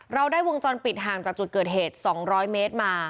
เราได้วงจรปิดห่างจากจุดเกิดเหตุ๒๐๐เมตรมา